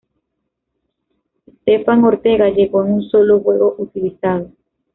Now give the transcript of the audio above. Stefan Ortega llegó en un solo juego utilizado.